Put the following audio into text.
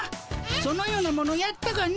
そのようなものやったかの？